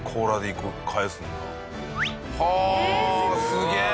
すげえ！